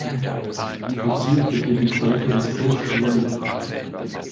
Mit dir vergeht die Zeit immer so schnell.